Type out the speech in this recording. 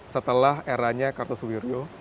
setelah eranya kartus wirjo